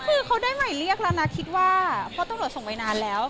คือเขาได้หมายเรียกแล้วนะคิดว่าเพราะตำรวจส่งไว้นานแล้ว